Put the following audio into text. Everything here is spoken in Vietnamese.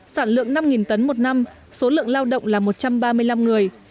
sản lượng năm tấn một năm số lượng lao động là một trăm ba mươi năm người